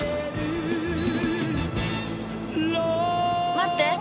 待って！